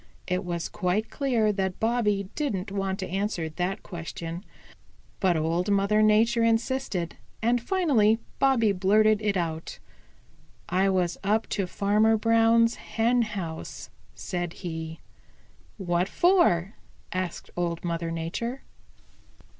It was quite clear that Bobby didn't want to answer that question. But Old Mother Nature insisted, and finally Bobby blurted it out. "I was up to Farmer Brown's hen house," said he. "What for?" asked Old Mother Nature.